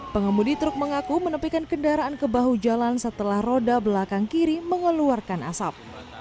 pengemudi truk mengaku menepikan kendaraan ke bahu jalan setelah roda belakang kiri mengeluarkan asap